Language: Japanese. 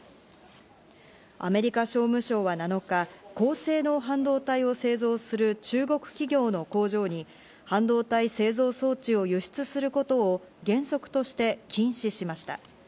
アメリカ商務省は７日、高性能半導体を製造する中国企業の工場に、半導体製造装置を輸出することを原則として禁止しました。